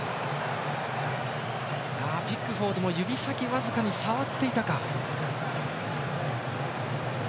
ピックフォードも指先、僅かに触っていたか。